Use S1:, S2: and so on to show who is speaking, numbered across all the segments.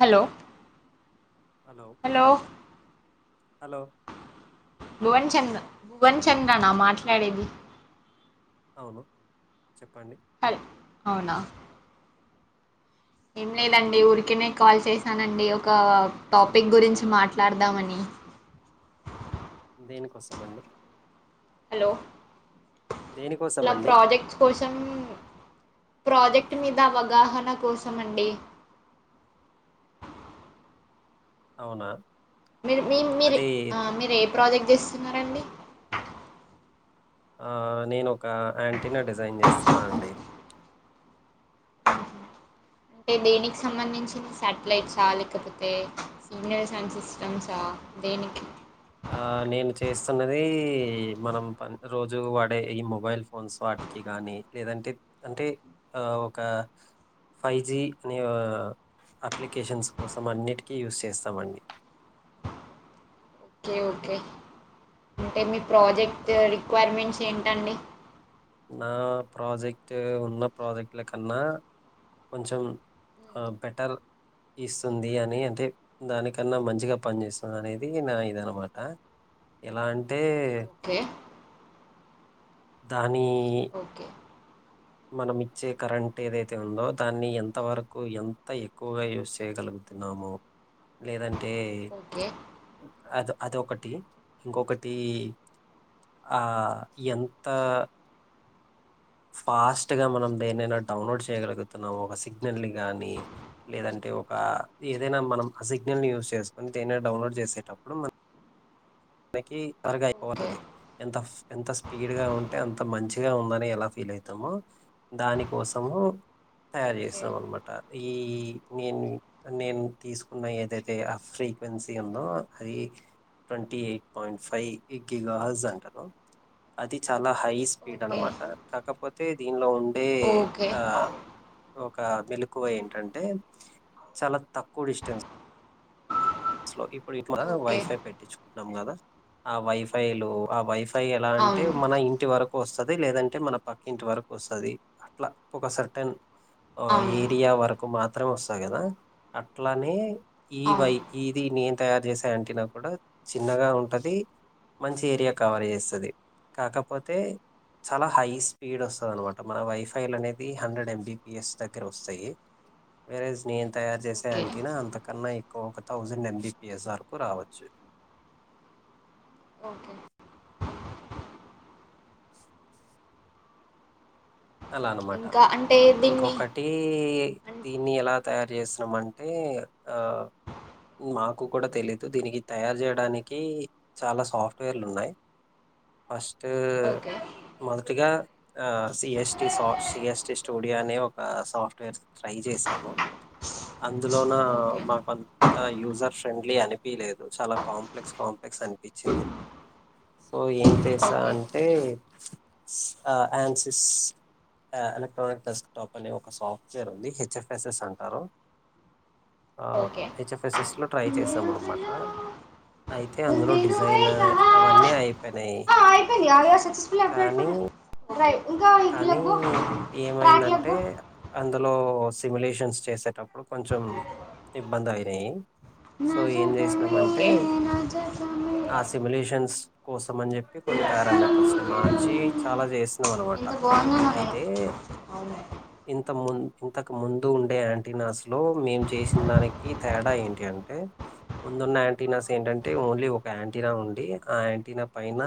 S1: Hello hello
S2: hello
S1: Bhuvan Chand Bhuvan చంద్రనా మాట్లాడేది
S2: అవును చెప్పండి
S1: హల్ అవునా ఏం లేదండి ఊరికనే కాల్ చేశానండి ఒక టాపిక్ గురించి మాట్లాడదామని
S2: దేనికోసం అండి
S1: హలో
S2: దేనికోసం
S1: ఇలా
S2: అండి
S1: ప్రాజెక్ట్స్ కోసం ప్రాజెక్ట్ మీద అవగాహన కోసం అండి
S2: అవునా
S1: మీరు మీ మీరు
S2: అది
S1: మీరు ప్రాజెక్ట్ చేస్తున్నారండి
S2: ఆ నేను ఒక ఆ టిన డిజైన్ చేస్తున్నా అండి
S1: అంటే దేనికి సంబంధించిన సాటిలైట్సా లేకపోతే సిగ్నల్ సండ్ సిస్టమ్సా దేనికి
S2: నేను చేస్తున్నది మనం రోజు వాడే ఈ మొబైల్ ఫోన్స్ వాటికి కానీ లేదంటే అంటే ఒక ఫైవ్ జీ అనే అప్లికేషన్స్ కోసం అన్నిటికీ యూస్ చేస్తామండి
S1: ఓకే ఓకే అంటే మీ
S2: ఆ
S1: ప్రాజెక్ట్ రిక్వైర్మెంట్స్ ఏం టండి
S2: నా ప్రాజెక్ట్ ఉన్న ప్రాజెక్ట్ల కన్నా కొంచెం బెటర్ ఇస్తుంది అని అంటే దానికన్నా మంచిగా పనిచేస్తుంది అనేది నా ఇదనమాట ఎలా అంటే
S1: ఓకే
S2: దాని
S1: ఓకే.
S2: మనం ఇచ్చే కరెంట్ ఏదైతే ఉందో దాన్ని ఎంతవరకు ఎంత ఎక్కువగా యూస్ చేయగలుగుతున్నామో లేదంటే
S1: ఓకే
S2: అద అదొకటి ఇంకొకటి ఆ ఎంత ఫాస్ట్గా మనం దేనైనా డౌన్లోడ్ చేయగలుగుతున్నాం ఒక సిగ్నల్ని కానీ లేదంటే ఒక ఏదైనా మనం ఆ సిగ్నల్ని యూస్ చేసుకొని దేనైనా డౌన్లోడ్ చేసేటప్పుడు మన మనకి త్వరగా అయిపోవాలి
S1: ఓకే.
S2: అది ఎంత ఎంత స్పీడ్ గా ఉంటే అంత మంచిగా ఉందని ఎలా ఫీల్ అవుతామో దాని కోసము తయారు
S1: ఓకే.
S2: చేసాం అనమాట ఈ నేను నేను తీసుకున్న ఏదైతే ఆ ఫ్రీక్వెన్సీ ఉందో అది ట్వంటీ ఎయి పాయింట్ ఫైవ్ ఇగ్గిగాజ్ అంటారు అది చాలా హైస్పీడ్
S1: ఓకే.
S2: అనమాట కాక పోతే దీనిలో ఉన్
S1: ఓకే
S2: ఒక మెలుకువ ఏంటంటే చాలా తక్కువ డిస్టెన్స్ [unintelligible] ఇప్పు ఇప్పు
S1: ఓకే.
S2: వైఫై పెట్టించు నం కదా ఆ వైఫైలు ఆ వై తై ఎలా అంటే
S1: అవును.
S2: మన ఇంటి వరకు వస్తుంది లేదంటే మన పక్కింటి వరకు వస్తుంది. అట్లా ఒక సర్టెన్ ఆ
S1: అవును.
S2: ఏరియా వరకు మాత్ర త్రా వస్తాది కదా అట్లానే
S1: అవును.
S2: ఈవై నేను తయారు చేసే అంటనా కూడా చిన్నగా ఉంటుంది మంచి ఏరియా కవర్ చేస్తుంది. కాకపోతే చాలా హై
S1: ఓకే.
S2: స్పీడ్ వస్తుంది అనమాట మన వైఫైలు అనేది హండ్రెడ్ ఎంబిపీఎస్ దగ్గర వస్తాయి వరజ్ నే తయారు చేసే
S1: ఓకే.
S2: ఆంటీనా అంత కన్నా ఎక్కువ ఒక థౌజండ్ ఎంబిపీఎస్ఆర్కు రావచ్చు
S1: ఓకే
S2: అలా అనమాట
S1: ఇంకా అంటే దీన్ని
S2: ఇంకొకటి
S1: అన్
S2: దీన్ని ఎలా తయారు చేస్తున్నాం అంటే ఆ మాకు కూడా తెలిదు దీనికి తయారు చేయడానికి చాలా సాఫ్ట్వేర్లు ఉన్నాయ్ ఫస్ట్
S1: ఓకే
S2: [unintelligible] ఆ సిఎస్ సిఎస్టి స్టూడియో అనే ఒక సాఫ్ట్వేర్ ట్రై చేశాము అందులోన
S1: ఓకే.
S2: మాకు అంత యూజర్ ఫ్రెండ్లీ అనిపిలేదు చాలా కాంప్లెక్స్ కాంప్లెక్స్ అనిపించింది. ఓ ఏం చేశా
S1: ఓకే.
S2: అంటే ఆ ఆన్సిస్ ఆ ఎలక్ట్రానిక్ డెస్క్టాప్ అనే ఒక సాఫ్ట్వేర్ ఉంది హెచ్ఎఫ్ఎస్ఎస్ అంటారు. హహ
S1: ఓకే.
S2: హెచ్ఎఫ్ఎస్ఎస్లో ట్రై
S1: ఉంది
S2: చేసాం అనమాట,
S1: నువ్వెలా,
S2: అయితే అందులో
S1: ఉంది నువ్వేగా.
S2: డిజైనర్ అవన్నీ అయిపోయినాయి. కానీ
S1: [unintelligible]
S2: కానీ
S1: ఇట్లకు పో ట్రాక్లకు
S2: ఏమైందంటే
S1: పో.
S2: అంద్ లో సిమ్యలేషన్స్ చేసేటప్పుడు కొంచెం ఇబ్బంది అయినాయి.
S1: నా
S2: సో ఏం చేసినాం
S1: జతమే
S2: అంటే
S1: ఓకే. నా జతమే
S2: ఆ సిమలేషన్స్ కోసం అని చెప్పి కొన్ని పారామీటర్స్ ని మార్చి చాలా చేసినాం అనమాట.
S1: పోందనే అవును
S2: ముంద్ ఇంతకు ముందు ఉండే యాంటీనాస్ లో మేము చేసిన దానికి తేడా ఏంటి అంటే, ముందున్న యాంటీనాస్ ఏంటంటే ఓన్లీ ఒక యాంటీనా ఉండి, ఆ యాంటీనా పైన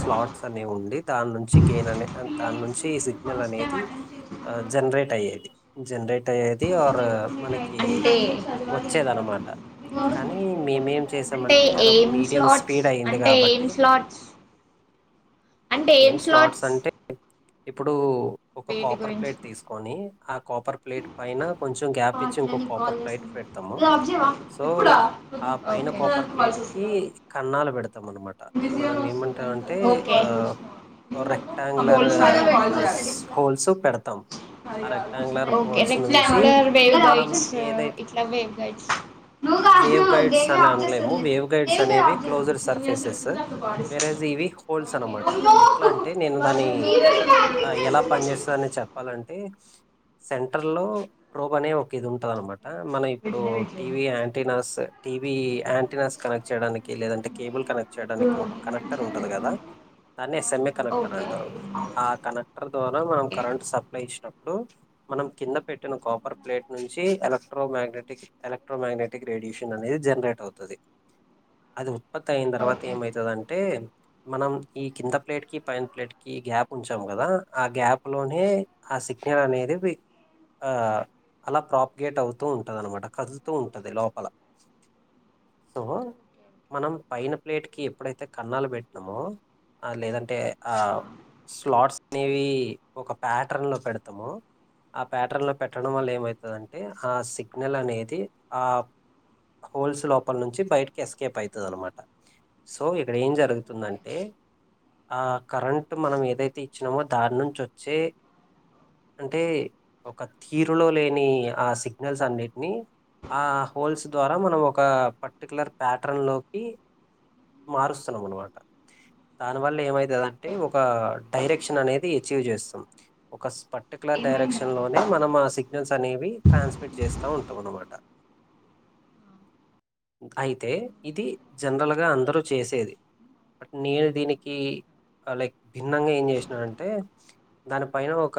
S2: స్లాట్స్ అనేవి ఉండి దాని నుంచి గేన్ అనే దాని
S1: పీరియడ్స్
S2: నుంచి
S1: మీరు
S2: సిగ్నల్
S1: ఫస్ట్ టైం
S2: అనేది
S1: అటెండ్ చేస్తున్నారు
S2: జనరేట్ అయ్యేది జనరేట్ అయ్యేది ఆర్ మనకి కి
S1: అంటే- చదవాలి అంటాను
S2: వచ్చేదినమాట కానీ మేం
S1: ఉంటారు. అంటే
S2: చేసామంటె అది ఒక
S1: ఏం
S2: మీడియం
S1: స్లాట్స్
S2: స్పీడ్ అయింది
S1: అంటే ఏం
S2: కాబట్టి
S1: స్లాట్స్ అంటే ఏం
S2: స్లాట్స్ అంటే ఇప్పుడు ఒక
S1: వేటి
S2: కాపర్
S1: గురించి
S2: ప్లేట్ తీసుకొని ఆ కాపర్ ప్లేట్ పైన కొంచెం గ్యాప్ ఇచ్చి
S1: పార్టీలో
S2: ఇంకోొ
S1: నీకు కాల్
S2: కాపర్ ప్లేట్
S1: చేస్తాను
S2: పెడతాము
S1: డ్రాప్ చేయవా
S2: సో
S1: ఇప్పుడా
S2: ఆ పైన
S1: ఓకే
S2: కాపర్ ప్లేట్ కి కన్నాలు పెడత్ ఆనం
S1: ఒక
S2: రెక్టాంగులర్
S1: [unintelligible]
S2: హోల్స్ పెడతాం ఆ రెక్టాంగులర్
S1: ఓకేల
S2: హోల్స్ నుంచి
S1: లెక్టంగులర్ వేవ్
S2: మనం
S1: గైడ్స్
S2: ఏదైతే
S1: ఇట్లా వేవ్ గైడ్స్.
S2: వేవ్ గైడ్స్ అని అనలేము వేవ్ గైడ్స్ అనేవి క్లోజ్డ్ సర్ఫేసెస్
S1: చెప్పింది అట్లా పాడిస్తాను
S2: వేరేజ్ ఇవి హోల్స్
S1: ఓకే
S2: అనమాట
S1: అమ్మో
S2: ఎట్లా అంటే నేను
S1: మరి
S2: దాని
S1: మీరు ఇంకా యాక్టింగ్
S2: ఎలా పని
S1: చేస్తుంది
S2: చేేస్తందని చెప్పాలంటే సెంటర్ లో రోబ్ అనే ఒక ఇది ఉంటది అనమాట. మన ఇప్పుడు
S1: వీటినే
S2: టీవ
S1: వీటిలేదు
S2: యాంటనాస్, టీవ యాంటనస్ కనెక్ట్ చేయడానికి లేదంటే కేబుల్ కనెక్ట్ చేయడానికి ఒక కనెక్టర్ ఉంటంది కదా దాన్ని సెమీకనెక్టర్
S1: ఓకే
S2: అంటారు ఆ కనెక్టర్ ద్వారా మనం
S1: ఓకే
S2: కరెంట్ సప్లై ఇచ్చినాం. ఇప్పుడు మనం కింద పెట్టిన కాపర్ ప్లేట్ నుంచి ఎలక్ట్రోమ్యాగ్నెటిక్, ఎలక్ట్రోమ్యాగ్నెటిక్ రేడియేషన్ అనేది జనరేట్ అవుతుంది అది. ఉత్పత్తియిన తర్వాత
S1: ఓకే
S2: ఏమవుతుందింటే? మనం ఈ కింద ప్లేట్ కి పైన ప్లేట్ కి గ్యాప్ ఉంచ్ తము కదా ఆ గ్యాప్ లోనే ఆ సిగ్నల్ అనేది ఆ అలా ప్రాపిగేట్ అవుతూ ఉంటంది అనమాట, కదులుతూ ఉంటంది లోపల సో మనం పైన ప్లేట్ కి ఎప్పుడైతే కన్నాలు పెట్టినామో లేదంటే ఆ స్లాట్స్ అనేవి ఒక ప్యాటర్న్ లో పెడతాము ఆ ప్యాటర్న్ లో పెట్టడం
S1: ఓకే
S2: వల్ల ఏమవుతుందంటే ఆ సిగ్నల్ అనేది ఆ హోల్స్ లోపల నుంచి బయటకి ఎస్కేప్ అవుతుంది అనమాట. సో ఇక్కడ ఏం
S1: ఓకే
S2: జరుగుతుందంటే, ఆ కరెంట్ మనం ఎ! ఏదైతే ఇచ్చినామో దాని నుంచి వచ్చే అంటే ఒక తీరులో లేని ఆ సిగ్నల్స్ అన్నిటిని ఆ హోల్స్ ద్వారా మనం ఒక పర్టికులర్ ప్యాటర్న్ లోకి మారుస్తున్నాం అనమాట దానివల్ల ఏమైతే! లేదంటే
S1: ఓకే
S2: ఒక డైరెక్షన్ అనేది అచీవ్ చేస్తాం ఒక పర్టికులర్
S1: ఏమైంది
S2: డైరెక్షన్ లోనే మనం ఆ సిగ్నల్స్ అనేవి ట్రాన్స్మిట్ చేస్తా ఉంటాం అనమాట అయితే ఇది జనరల్ గా అందరూ. చేసేది బట్ నేను దీనిక్ కి కలెక్ట్ బిన్నంగా ఏం చేసినారంటే దానిపైన ఒక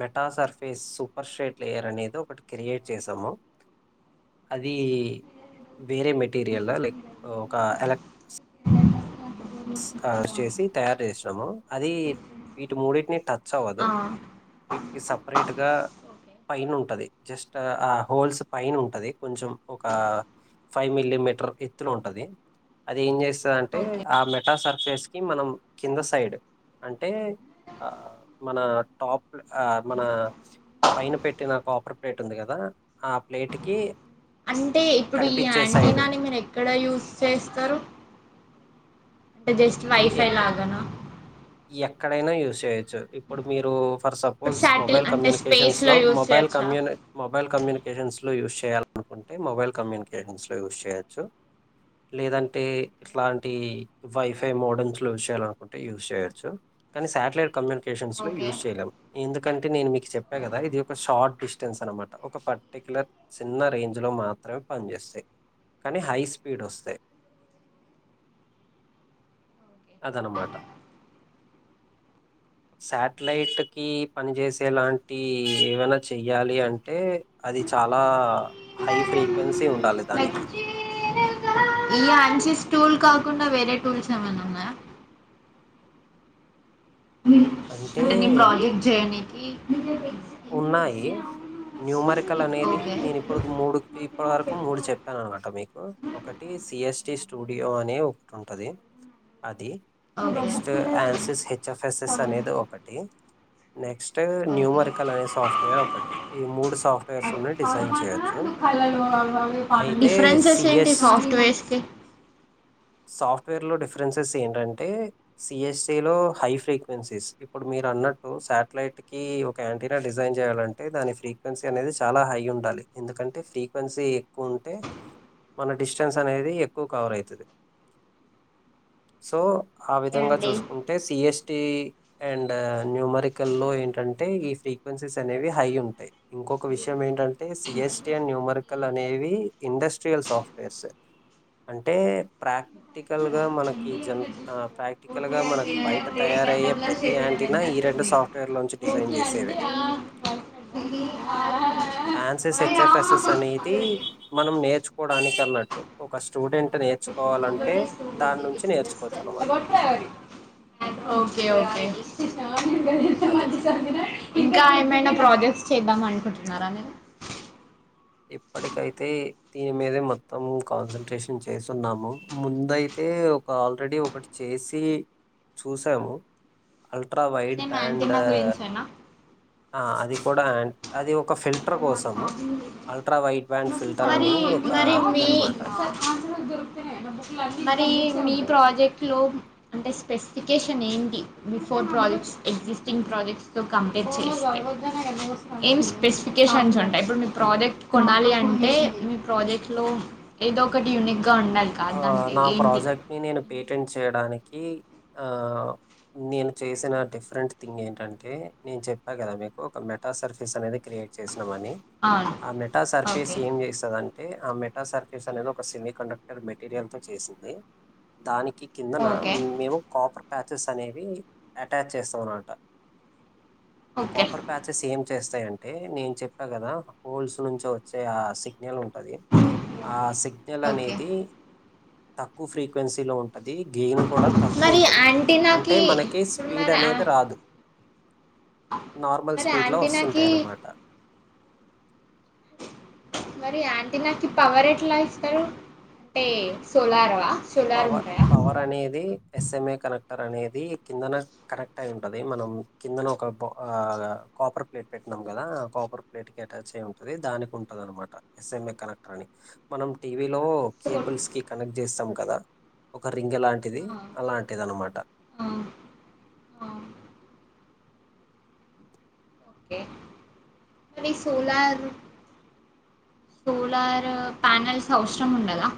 S2: meta surface superstrate layer అనేది ఒకటి క్రియేట్ చేసాము, అది! వేరే మెటీరియల్ లైక్ ఒక ఎలక్ చేసి తయారు చేసినాము అది వీటి మూడింటిని టచ్ అవ్వదు.
S1: ఆ
S2: సపరేట్ గా
S1: ఓకే
S2: పైనుంటది జస్ట్ ఆ హోల్స్ పైైన ఉంటది కొంచం ఒక ఫైవ్ మిల్లీమీటర్ ఎత్తులు ఉంటది అది ఏం చేస్.. అంటే
S1: ఓకే
S2: ఆమెె అటా సర్ఫేస్ కి మనం కింద సైడ్, అంటే ఆ మన టాప్ ఆ మన పైన పెట్టిన కాపర్ ప్లేట్ ఉంది కదా ఆ ప్లేట్ కి..
S1: అంటే ఇప్పుడు ఈ
S2: కనిపించే సైడ్
S1: యాంటీనాని మీరు ఎక్కడ యూస్ చేస్తారు? జస్ట్
S2: ది
S1: వైఫై
S2: ఎక్క
S1: లాగనా?
S2: ఎక్కడైనా యూస్్ చేయొచ్చు ఇప్పుడు మీరు. ఫర్
S1: ఇప్పుడు
S2: సపోజ్
S1: శాటిల్
S2: మొబైల్
S1: అంటే
S2: కమ్యూనికేషన్
S1: స్పేస్
S2: లో
S1: యూజ్
S2: మొబైల్
S1: చేయొచ్చా
S2: కమ్యని మొబైల్ కమ్యూని [unintelligible] యాలనుకుంటే మొబైల్ కమ్యూనికేషన్స్ లో యూస్ చేయచ్చు లేదంటే ఇట్లాంటి వై [unintelligible] మోడర్న్స్ లో చేయాలనుకుంటే యూస్ చేయచ్చు, కానీ శాటిలైట్ క్య [unintelligible] లో
S1: ఓకే
S2: యూస్ చేయలేము ఎ ఎందుకంటే నేను మీకు చెప్పా కదా ఇది ఒక షార్ట్ డిస్టెన్స్ అనమాట, ఒక పర్టిక్యులర్ చిన్న రేంజ్ లో మాత్రమే పనిచేస్తాయి, కానీ హై స్పీడ్ వస్తాయి. అదన్నమాట, శాటిలైట్కి పనిచేసేలాంటి ఏమైనా చెయ్యాలి అంటే, అది చాలా హై ఫ్రీక్వెన్సీ ఉండాలి
S1: లైక్
S2: దానికి
S1: ఈ అంచ స్ టూల్ కాకుండా వేరే టూల్స్ ఏమన్నా ఉన్నాయా అంటే నీ ప్రాజెక్ట్ జయని ఏ
S2: ఉన్నాయి, న్యూమరికల్ అనేది
S1: ఓకే
S2: నేను ఇప్పుడు మూడు ఇప్పటి వరకు మూడు చెప్పాను అనమాట మీకు, ఒకటి సిఎస్టి స్టూడియో అనే ఒకటి ఉంటుది అది
S1: ఓకే
S2: నెక్స్ట్ ఆన్సిస్ హెచ్ఎఫ్ఎస్ఎస్ అనేది ఒకటి నెక్స్ట్
S1: ఓకే
S2: న్యూమార్క్ ల్ అనే సాఫ్ట్వేర్ ఒకటి ఈ మూడు సాఫ్ట్వేర్స్ లోనే డిజైన్ చేయొచ్చు అయితే
S1: డిఫరెన్సెస్ ఏంటి
S2: సిఎస్
S1: సాఫ్ట్వేర్స్ కి
S2: సాఫ్ట్వేర్ లో డిఫరెన్సెస్ ఏంటంటే, సిఎస్స లో హై ఫ్రీక్వెన్సీస్ ఇప్పుడు మీరు అన్నట్టు శాటిలైట్ కి క్యాంటీన్ డిజైన్ చేయాలంటే దాని ఫ్రీక్వెన్సీ అనేది చాలా హై ఉండాలి, ఎందుకంటే ఫ్రీక్వెన్సీ ఎక్కువ ఉంటే మన డిస్టెన్స్ అనేది ఎక్కువ కవర్ అవుతుంది సో ఆ
S1: ఓకే
S2: విధంగా
S1: అండి
S2: చూసుకుంటే సిఎస్ డి అండ్ న్యూమరిక లో ఏంటంటే ఇ ఫ్రీక్యూన్సీస్ అనేవి హై ఉంటాయి, ఇంకొక విషయం ఏంటటే, C S D and numerical అనేవి ఇండస్ట్రియల్ సాఫ్ట్వేర్స్, అంటే ప్రాక్టికల్ గా మనకి ప్రాక్టికల్ గా బయట అం తయారయ్యే ప్రతి యాంటీనా ఈ రెండు సాఫ్ట్వేర్ లో నుంచి డిజైన్
S1: ఓకే
S2: చేసేవే,
S1: అండి ఆ ఆ
S2: ఆన్సస్
S1: అబౌట్ ప్రయోరీ
S2: హెచ్ఎఫ్ఎస్ఎస్ అనేది,
S1: ఓకే అండి.
S2: మనం నేర్చుకోవడానికి అన్నట్టు, ఒక స్టూడెంట్ నేర్చుకోవాలంటే దాని నుంచి నేర్చుకోవచ్చు అనమాట.
S1: ఓకే ఓకే
S2: అది
S1: ఇంకా ఏమైనా ప్రాజెక్ట్ చేద్దాం అనుకుంటున్నారా మీరు
S2: ఇప్పటికైతే దీని మీద మొత్తం కాన్సన్ట్రేషన్ చేస్తున్నాము, ముందయితే ఒక ఆల్రెడీ ఒకటి చేసి చూసాము అల్ట్రా వైడ్
S1: అంట
S2: బ్యాండ్
S1: నా గురించ అనా
S2: ఆ అది కూడా అ అది ఒక ఫిల్టర్ కోసమా
S1: మరి మరి మీ
S2: ఇదనమాట.
S1: మరి మీ ప్రాజెక్ట్ లో అంటే స్పెసిఫికేషన్ ఏంటి బిఫోర్ ప్రాజెక్ట్ ఎగ్జిస్టింగ్ ప్రాజెక్ట్స్ తో కంపేర్ చేస్తే ఏం స్పెషీ కేషన్స్ ఉంటాయి ఇప్పుడు మీ ప్రాజెక్ట్ కొనాలి అంటే మీ ప్రాజెక్ట్ లో ఏదో ఒకటి యూనిక్
S2: ఆ నా ప్రాజెక్ట్ ని నేను పేటెంట్ చేయడానిక్ కి ఆ నేను చేసిన డిఫరెంట్ థింగ్ ఏంటంటే నేను చెప్పా కదా మీకు ఒక మెతా సర్ఫీస్ అనేది క్రియేట్ చేస్ [unintelligible] మని
S1: అవును
S2: ఆ మెటా సర్ఫేస్
S1: ఓకే
S2: ఏం చేస్తాదంన్ అంటే ఆ మెటా సర్ఫీస్ అనేది ఒక సెమి కండేక్ట్ టర్ మెటీరియల్ తో చేసింది దానిక్ కి కిందన
S1: ఓకే
S2: మే మేము కాపర్ ప్యాచెస్ అనేవి అటాచ్ చేస్తాం అనమాట ఆ
S1: ఓకే
S2: కాపర్ ప్యాచెస్ ఎన్ చేస్తాయంటే నేను చెప్పా కదా హోల్స్ నుంచి వచ్చే ఆ సిక్ సిగ్నల్ ఉంటది ఆ సిగ్నల్
S1: ఓకే
S2: అనేద్ తక్కువ ఫ్రీక్వెన్సీలో ఉం అది గెమిన్ కూడా తక్కువ
S1: మరి
S2: ఉంటంది అంటే
S1: యాంటీనాకి
S2: మనకి
S1: ఇప్పుడు
S2: స్పీడ్
S1: మరి
S2: అనేది
S1: ఆ-
S2: రాదు నార్మల్
S1: మరి
S2: స్పీడ్ లో వస్తుంటే
S1: యాంటీనాకి
S2: అన్నమాట
S1: మరి ఆంటీనాకిి పవర్ ఎట్లా ఇస్తారు అంటే సోలార్వా సోలార్
S2: పవర్
S1: ఉంటాయా
S2: పవర్ అనేది ఎస్ఎంఏ కనెక్టర్ అనేది, కిందన కనెక్ట్ అయి ఉంటంది, మనం కిందన ఒక కాపర్ ప్లేట్ పెట్టినాం కదా ఆ కాపర్ ప్లేట్ కి అటాచ్ అయి ఉంటది దానికి ఉంటది అనమాట, ఎస్ఎంఏ కనెక్టర్ అని మనం లో
S1: సోల్
S2: కేబుల్స్ కి కనెక్ట్ చేస్తాం కదా ఒక రింగ్ ఎలాంటిది
S1: ఆ,
S2: అలాంటిది అనమాట
S1: ఆ, ఆ, అనీ సోలార్ సోళార్ పనల్స్ అవసరం ఉండదా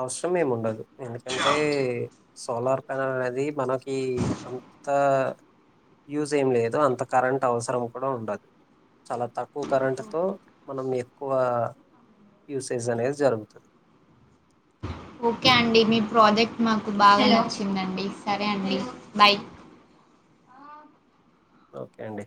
S2: అవసరం ఏమి ఉండదు ఎందుకంటే, సోలార్ పనల్ అనేది మనకి అంత యూజ్ ఏం లేదు, అంత కరెంట్ అవసరం కూడా ఉండదు, చాలా తక్కువ కరెంట్తో మనం ఎక్కువ యూసేజ్ అనేది జరుగుతుంది
S1: ఓకే అండి మీ ప్రాజెక్ట్ మాకు బాగా నచ్చిందండి సరే అండి బై
S2: ఓకే అండి